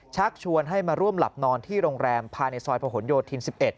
ชักชวนให้มาร่วมหลับนอนที่โรงแรมพาณิชย์สอยพะห่วงโยชน์ทิ้น๑๑